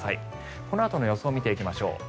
このあとの予想を見ていきましょう。